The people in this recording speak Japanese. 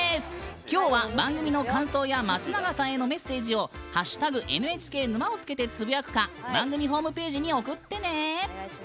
今日は番組の感想や松永さんへのメッセージを「＃ＮＨＫ沼」をつけてつぶやくか番組ホームページに送ってね。